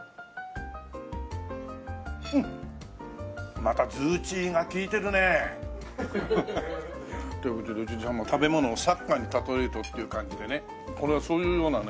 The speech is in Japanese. またズーチーが利いてるね。ということでじゃあまあ食べ物をサッカーに例えるとっていう感じでねこれはそういうようなね